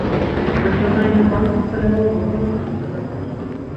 Нацыянальны банк усталяваў новыя курсы валют.